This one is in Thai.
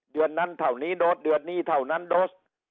เดือนนั้นเท่านี้โดสเดือนนี้เท่านั้นโดส